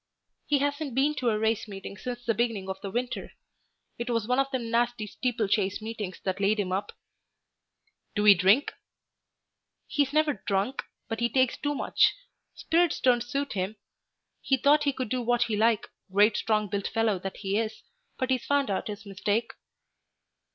"He hasn't been to a race meeting since the beginning of the winter. It was one of them nasty steeplechase meetings that laid him up." "Do 'e drink?" "He's never drunk, but he takes too much. Spirits don't suit him. He thought he could do what he liked, great strong built fellow that he is, but he's found out his mistake."